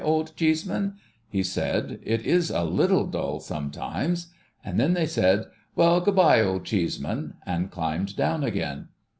Old Cheeseman ?' he said, ' It is a little dull sometimes :' and then they said, ' Well good bye. Old Cheeseman !' and climbed down again.